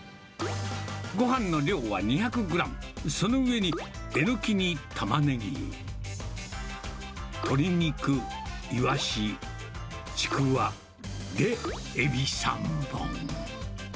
ごはんの量は２００グラム、その上に、エノキにタマネギ、鶏肉、イワシ、ちくわ、で、エビ３本。